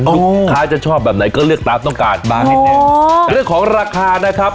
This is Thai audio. ลูกค้ายจะชอบแบบไหนก็เลือกตามต้องการเลือกของราคานะครับ